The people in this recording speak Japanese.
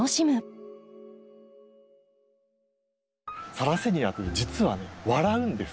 サラセニアって実はね笑うんです。